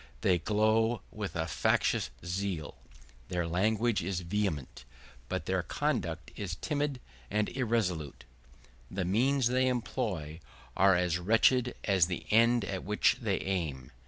They glow with a factitious zeal; their language is vehement, but their conduct is timid and irresolute. The means they employ are as wretched as the end at which they aim.